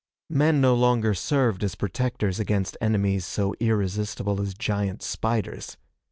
Men no longer served as protectors against enemies so irresistible as giant spiders.